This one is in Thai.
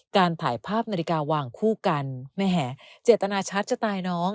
การถ่ายภาพนาฬิกาวางคู่กันแม่แห่เจตนาชัดจะตายน้อง